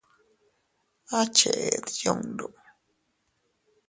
¿A cheʼed yundu?